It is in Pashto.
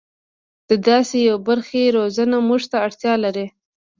د داسې یوې برخې روزنه موږ ته اړتیا لري.